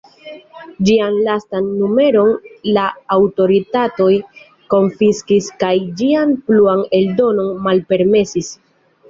Ĝian lastan numeron la aŭtoritatoj konfiskis kaj ĝian pluan eldonon malpermesis.